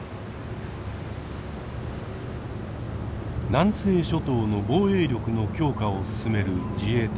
南西諸島の防衛力の強化を進める自衛隊。